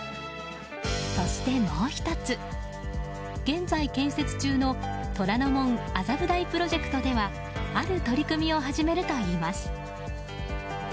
そしてもう１つ、現在建設中の虎ノ門・麻布台プロジェクトではある取り組みを始めるといいます。